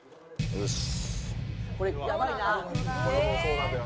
よし！